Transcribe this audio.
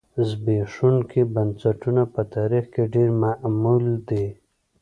زبېښونکي بنسټونه په تاریخ کې ډېر معمول دي.